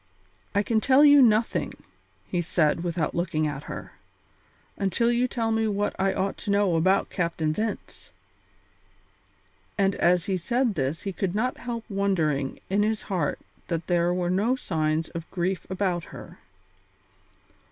"I can tell you nothing," he said, without looking at her, "until you tell me what I ought to know about Captain Vince." And as he said this he could not help wondering in his heart that there were no signs of grief about her.